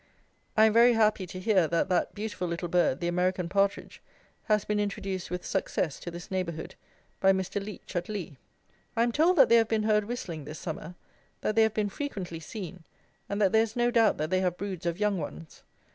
I am very happy to hear that that beautiful little bird, the American partridge, has been introduced with success to this neighbourhood, by Mr. Leech at Lea. I am told that they have been heard whistling this summer; that they have been frequently seen, and that there is no doubt that they have broods of young ones.